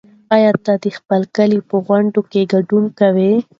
ایا ته د خپل کلي په غونډه کې ګډون کوې؟